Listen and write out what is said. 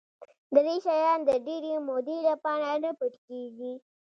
دری شیان د ډېرې مودې لپاره نه پټ کېږي.